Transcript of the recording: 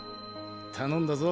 頼んだぞ。